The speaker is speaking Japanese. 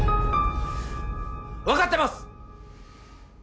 わかってます！